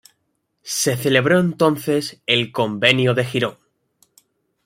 Se celebró entonces el Convenio de Girón.